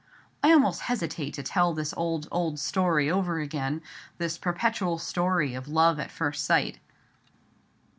I almost hesitate to tell this old, old story over again—this perpetual story of love at first sight.